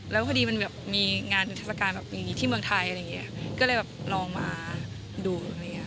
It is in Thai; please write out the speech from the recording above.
แล้วพอดีมันมีงานทรัศกาลอย่างนี้ที่เมืองไทยก็เลยลองมาดู